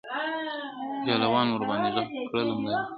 جاله وان ورباندي ږغ کړل ملاجانه،